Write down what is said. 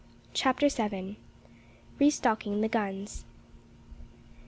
CHAPTER SEVEN. RE STOCKING THE GUNS.